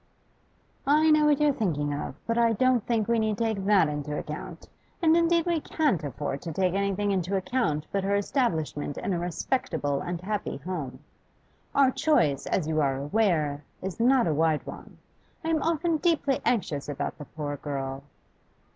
'I know what you're thinking of, but I don't think we need take that into account. And, indeed, we can't afford to take anything into account but her establishment in a respectable and happy home. Our choice, as you are aware, is not a wide one. I am often deeply anxious about the poor girl.